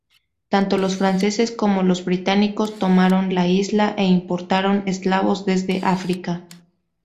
Tanto los franceses como los británicos tomaron la isla e importaron esclavos desde África.